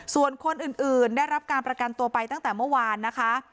ส่วนคนอื่นได้รับการประกันตัวไปตั้งแต่เมื่อวานนะคะ